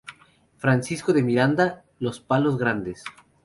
Francisco de Miranda, Los Palos Grandes.